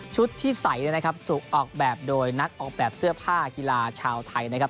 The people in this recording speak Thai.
ที่ใส่เนี่ยนะครับถูกออกแบบโดยนักออกแบบเสื้อผ้ากีฬาชาวไทยนะครับ